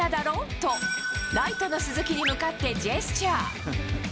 と、ライトの鈴木に向かってジェスチャー。